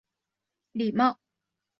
我对他很礼貌